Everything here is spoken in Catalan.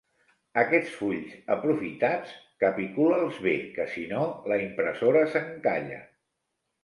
Aquests fulls aprofitats, capicula'ls bé, que si no la impressora s'encalla.